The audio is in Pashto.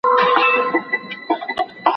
سفیران ولي د رایې ورکولو حق تضمینوي؟